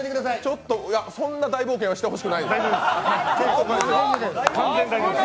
そんな大冒険はしてほしくない。